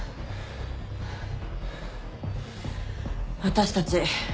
私たち